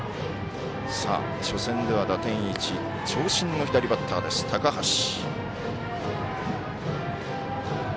初戦では打点１長身の左バッター、高橋。